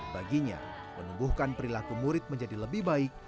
baginya menumbuhkan perilaku murid menjadi lebih baik